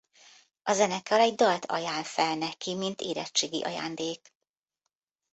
A zenekar egy dalt ajánl fel neki mint érettségi ajándék.